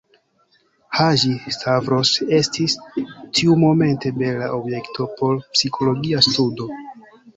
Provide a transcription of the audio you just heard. Haĝi-Stavros estis tiumomente bela objekto por psikologia studo.